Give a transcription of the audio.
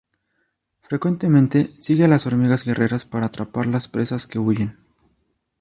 Frecuentemente sigue a las hormigas guerreras para atrapar las presas que huyen.